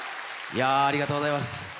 ありがとうございます。